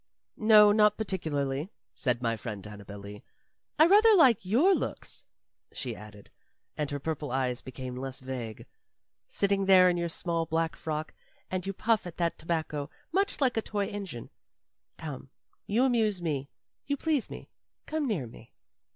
"No, not particularly," said my friend Annabel Lee. "I rather like your looks," she added, and her purple eyes became less vague "sitting there in your small black frock; and you puff at that tobacco much like a toy engine. Come, you amuse me you please me. Come near me."